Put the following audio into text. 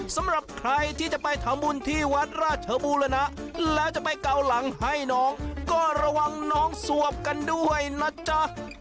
สำหรับใครที่จะไปทำบุญที่วัดราชบูรณะแล้วจะไปเกาหลังให้น้องก็ระวังน้องสวบกันด้วยนะจ๊ะ